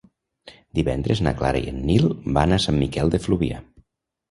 Divendres na Clara i en Nil van a Sant Miquel de Fluvià.